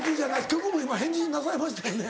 曲も今返事なさいましたよね。